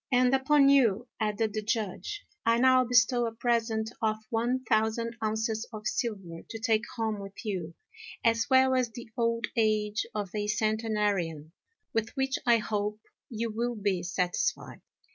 "And upon you," added the Judge, "I now bestow a present of one thousand ounces of silver to take home with you, as well as the old age of a centenarian, with which I hope you will be satisfied."